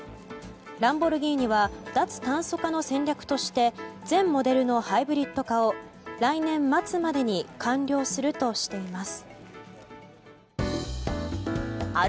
ランボルギーニは脱炭素化の戦略として全モデルのハイブリッド化を来年末までに完了するとしています。